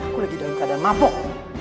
aku lagi dalam keadaan mabuk